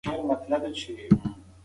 اورېدونکي ومنله چې غږ ټاکونکی دی.